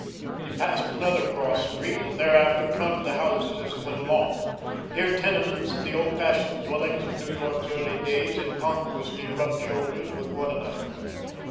He passed another cross street, and thereafter counted the houses as he went along. Here tenements and the old fashioned dwellings of New York's early days incongruously rubbed shoulders with one another.